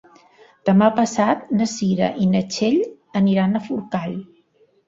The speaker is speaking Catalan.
Demà passat na Cira i na Txell aniran a Forcall.